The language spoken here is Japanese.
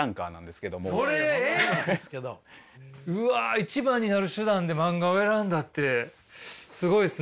うわ一番になる手段で漫画を選んだってすごいっすね。